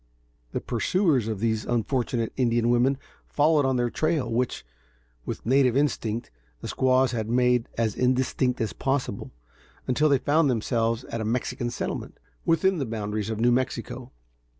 The pursuers of these unfortunate Indian women followed on their trail, which, with native instinct, the squaws had made as indistinct as possible, until they found themselves at a Mexican settlement, within the boundaries of New Mexico.